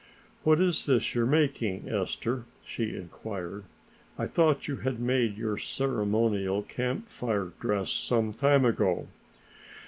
"What is this you're making, Ester?" she inquired. "I thought you had made your ceremonial Camp Fire dress some time ago!"